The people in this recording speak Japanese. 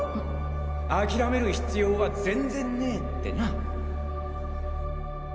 あきらめる必要は全然ねぇってな！